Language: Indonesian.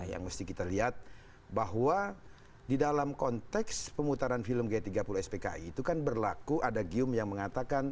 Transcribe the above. yang mesti kita lihat bahwa di dalam konteks pemutaran film g tiga puluh spki itu kan berlaku ada gium yang mengatakan